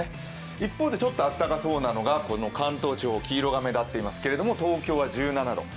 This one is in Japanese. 一方でちょっとあったかそうなのが関東地方、黄色が目立っていますけれども東京は１７度。